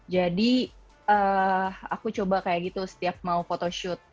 jadi aku coba seperti itu setiap mau photoshoot